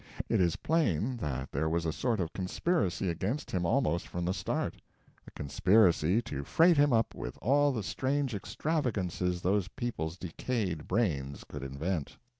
It is plain that there was a sort of conspiracy against him almost from the start a conspiracy to freight him up with all the strange extravagances those people's decayed brains could invent.